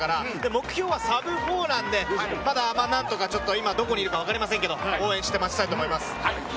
目標は、サブ４なので今どこにいるか分かりませんが応援して待ちたいと思います。